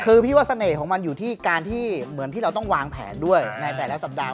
คือพี่ว่าเสน่ห์ของมันอยู่ที่การที่เหมือนที่เราต้องวางแผนด้วยในแต่ละสัปดาห